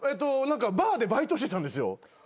バーでバイトしてたんですよ。